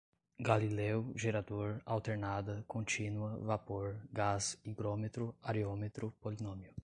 galileu, gerador, alternada, contínua, vapor, gás, higrômetro, areômetro, polinômio